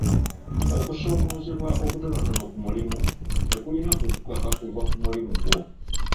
Okusoomoozebwa okutonotono ku mulimu tekulina kukukaka kuva ku mulimu gwo.